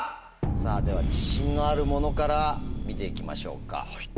では自信のあるものから見ていきましょうか。